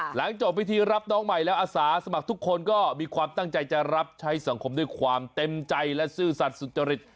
หลังจบวิธีรับน้องใหม่แล้วอาสาสมัครทุกคนก็มีความตั้งใจจะรับใช้สังคมด้วยความเต็มใจและซื่อสัตว์สุจริต